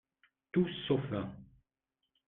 Tous, sauf un